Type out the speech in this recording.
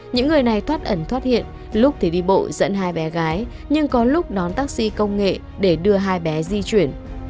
những người này thoát ẩn thoát hiện lúc thì đi bộ dẫn hai bé gái nhưng có lúc đón taxi công nghệ để đưa hai bé di chuyển